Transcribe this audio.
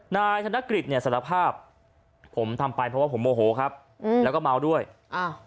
นายกฤษเนี่ยสารภาพผมทำไปเพราะว่าผมโมโหครับอืมแล้วก็เมาด้วยอ้าว